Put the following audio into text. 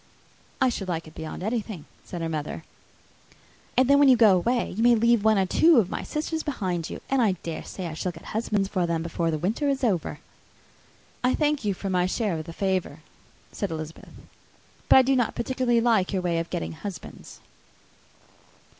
"I should like it beyond anything!" said her mother. "And then when you go away, you may leave one or two of my sisters behind you; and I dare say I shall get husbands for them before the winter is over." "I thank you for my share of the favour," said Elizabeth; "but I do not particularly like your way of getting husbands."